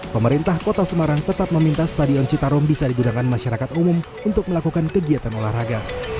pemerintah kota semarang tetap meminta stadion citarum bisa digunakan masyarakat umum untuk melakukan kegiatan olahraga